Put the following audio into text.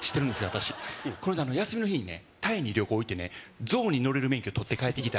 私この間休みの日にねタイに旅行行ってね「象に乗れる免許取って帰ってきた」